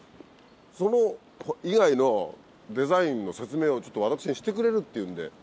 その以外のデザインの説明を私にしてくれるっていうんで。